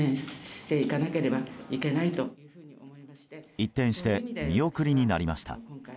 一転して見送りになりました。